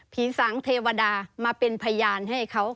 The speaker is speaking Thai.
สังเทวดามาเป็นพยานให้เขา